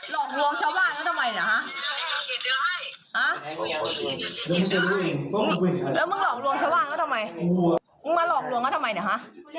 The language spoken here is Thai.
แล้วมึงหลอกหลวงชาว้างก็ทำไมหลอกหลวงก็ทำไมเนี่ยฮะ